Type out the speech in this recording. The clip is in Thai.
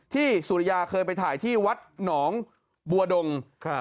สุริยาเคยไปถ่ายที่วัดหนองบัวดง